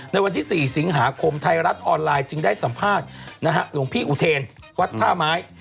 ในวันที่๔สิงหาคมไทยรัฐออนไลน์จึงได้สัมภาษณ์หลวงพี่อุเทนวัดท่าไม้